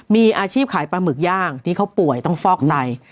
มีอาชีพขายปลาหมึกย่างที่เขาป่วยต้องฟอกไต